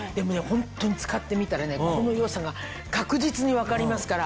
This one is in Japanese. ホントに使ってみたらこの良さが確実に分かりますから。